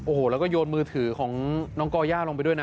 โอ้โหแล้วก็โยนมือถือของน้องก่อย่าลงไปด้วยนะ